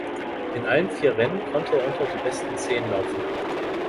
In allen vier Rennen konnte er unter die besten Zehn laufen.